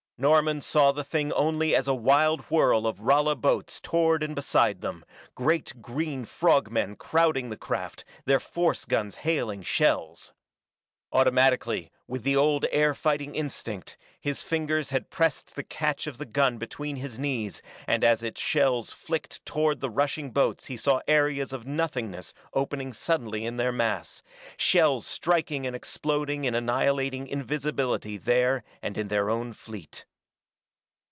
Norman saw the thing only as a wild whirl of Rala boats toward and beside them, great green frog men crowding the craft, their force guns hailing shells. Automatically, with the old air fighting instinct, his fingers had pressed the catch of the gun between his knees and as its shells flicked toward the rushing boats he saw areas of nothingness opening suddenly in their mass, shells striking and exploding in annihilating invisibility there and in their own fleet.